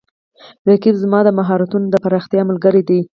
رقیب زما د مهارتونو د پراختیا ملګری دی